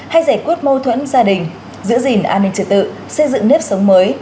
hay giải quyết mâu thuẫn gia đình giữ gìn an ninh trật tự xây dựng nếp sống mới